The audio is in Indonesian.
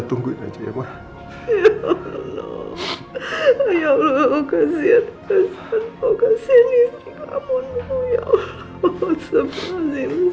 tungguin aja ya mbak ya allah ya allah oh kasihan oh kasihan ini kamu nuh ya allah oh seberhasil seberhasil ya allah